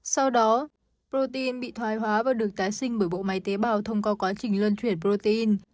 sau đó protein bị thoái hóa và được tái sinh bởi bộ máy tế bào thông qua quá trình lân chuyển protein